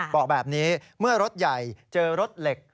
บอกแบบนี้เมื่อรถใหญ่เจอรถเหล็ก